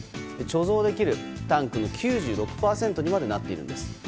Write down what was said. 貯蔵できるタンクの９６％にまでなっているんです。